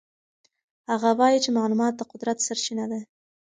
هغه وایي چې معلومات د قدرت سرچینه ده.